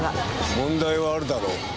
問題はあるだろう。